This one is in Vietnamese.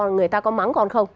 người ta có mắng con không